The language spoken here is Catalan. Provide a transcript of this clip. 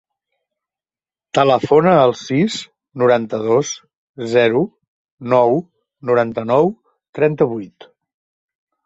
Telefona al sis, noranta-dos, zero, nou, noranta-nou, trenta-vuit.